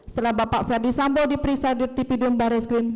setelah bapak verdi sambo diperiksa di tv dumbare screen